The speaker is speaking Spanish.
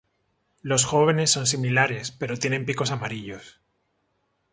Los jóvenes son similares, pero tienen picos amarillos.